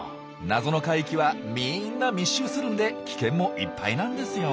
「謎の海域」はみんな密集するんで危険もいっぱいなんですよ。